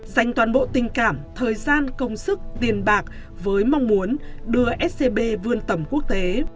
dành toàn bộ tình cảm thời gian công sức tiền bạc với mong muốn đưa scb vươn tầm quốc tế